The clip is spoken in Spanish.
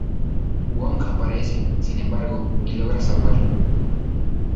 Wong aparece, sin embargo, y logra salvarlo.